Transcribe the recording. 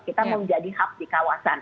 kita mau jadi hub di kawasan